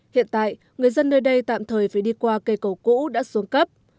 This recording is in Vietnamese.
hiện tại người dân nơi đây tạm thời phải đi qua cây cầu cũ đã xuống cấp